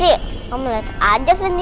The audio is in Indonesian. itu kok bisa